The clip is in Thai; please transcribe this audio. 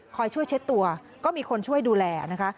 ช่วยเช็ดตัวก็มีคนช่วยดูแลนะคะ